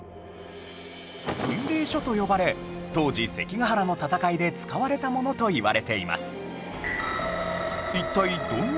軍令書と呼ばれ当時関ヶ原の戦いで使われたものといわれています